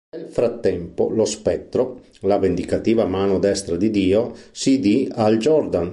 Nel frattempo, lo Spettro, la vendicativa mano destra di Dio, si di Hal Jordan.